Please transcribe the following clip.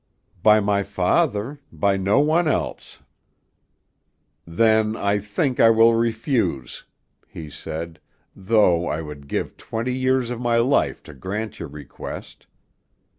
"By my father; by no one else." "Then I think I will refuse," he said, "though I would give twenty years of my life to grant your request.